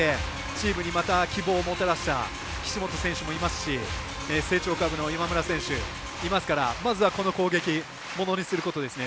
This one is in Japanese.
チームにまた希望をもたらした岸本選手もいますし成長株の今村選手いますからまずはこの攻撃ものにすることですね。